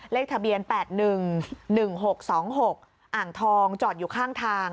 เลขทะเบียน๘๑๑๖๒๖อ่างทองจอดอยู่ข้างทาง